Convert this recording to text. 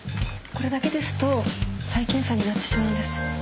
これだけですと再検査になってしまうんです。